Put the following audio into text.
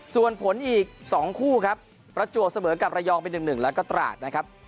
ส่วนผลอีก๒คู่ครับประจวบเสมอกับระยองไป๑๑แล้วก็ตราดนะครับ